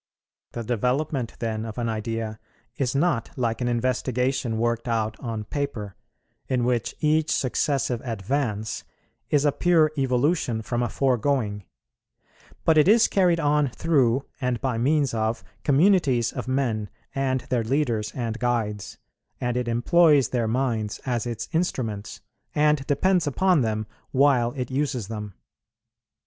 The development then of an idea is not like an investigation worked out on paper, in which each successive advance is a pure evolution from a foregoing, but it is carried on through and by means of communities of men and their leaders and guides; and it employs their minds as its instruments, and depends upon them, while it uses them.